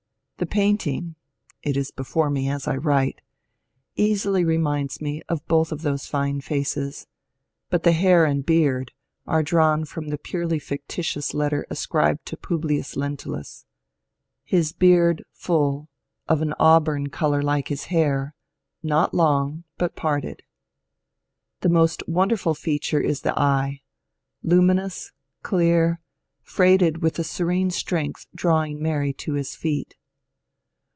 The painting — it is before me as I write — easily reminds me of both of those fine faces, but the hair and beard are drawn from the purely fictitious letter ascribed to Publius Lentulus :'^ His beard full, of an auburn colour like his hair, not long, but parted." The most wonderful feature is the eye, — luminous, clear, freighted with the serene strength drawing Mary to his feet.